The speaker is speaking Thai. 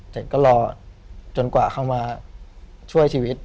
เสร็จก็รอจนกว่าเข้ามาช่วยชีวิต